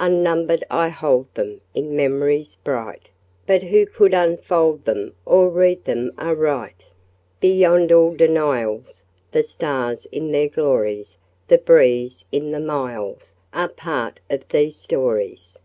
Unnumbered I hold them In memories bright, But who could unfold them, Or read them aright? Beyond all denials The stars in their glories The breeze in the myalls Are part of these stories.